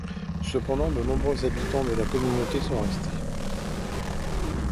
Cependant, de nombreux habitants de la communauté sont restés.